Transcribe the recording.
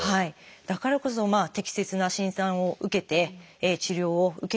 だからこそ適切な診断を受けて治療を受けていただく。